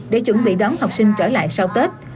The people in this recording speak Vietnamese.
để chuẩn bị đón học sinh trở lại sau tết